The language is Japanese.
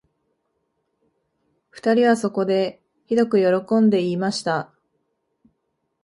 二人はそこで、ひどくよろこんで言いました